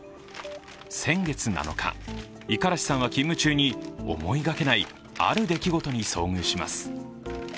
先月７日、五十嵐さんは勤務中に思いがけない、ある出来事に遭遇します。